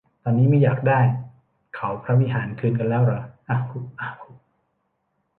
ตอนนี้ไม่อยากได้เขาพระวิหารคืนกันแล้วเหรอ อะหุ อะหุ